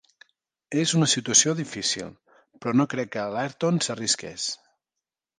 És una situació difícil, però no crec que l'Ayrton s'arrisqués.